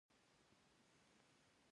والی د ولایت لومړی درجه مسوول دی